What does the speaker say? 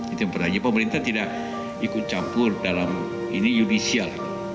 itu yang pertama pemerintah tidak ikut campur dalam ini judicial